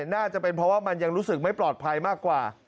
น่าจะเป็นเพราะว่ามันยังรู้สึกไม่ปลอดภัยมากกว่า